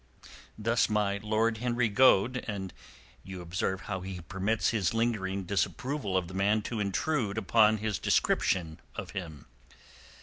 Thus my Lord Henry Goade, and you observe how he permits his lingering disapproval of the man to intrude upon his description of him.